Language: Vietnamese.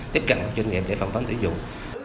tiếp cận các doanh nghiệp để phẩm phán tử dụng